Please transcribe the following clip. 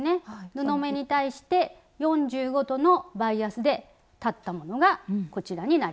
布目に対して４５度のバイアスで裁ったものがこちらになります。